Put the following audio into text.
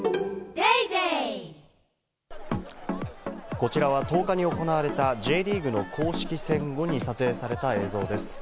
こちらは１０日に行われたＪリーグの公式戦後に撮影された映像です。